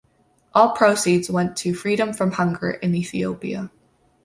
All Proceeds went to "Freedom from Hunger" in Ethiopia.